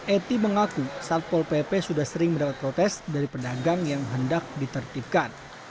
eti mengaku satpol pp sudah sering mendapat protes dari pedagang yang hendak ditertibkan